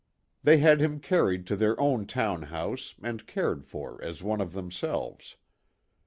They had him carried to their own town house and cared for as one of themselves.